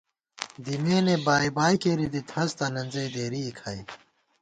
دِمېنےبائیبائی کېری دِت، ہست الَنزَئی دېرِئےکھائی